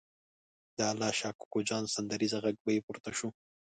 د الله شا کوکو جان سندریزه غږ به پورته شو.